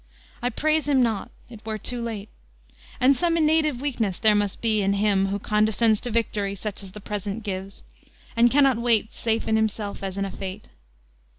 I praise him not; it were too late; And some innative weakness there must be In him who condescends to victory Such as the Present gives, and cannot wait, Safe in himself as in a fate.